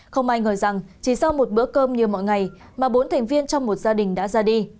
không ai ngờ rằng chỉ sau một bữa cơm như mọi ngày mà bốn thành viên trong một gia đình đã ra đi